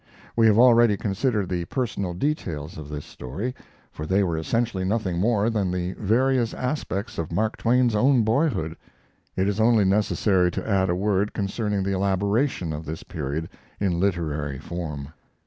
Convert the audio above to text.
We have already considered the personal details of this story, for they were essentially nothing more than the various aspects of Mark Twain's own boyhood. It is only necessary to add a word concerning the elaboration of this period in literary form.